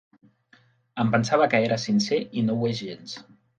Em pensava que era sincer, i no ho és gens.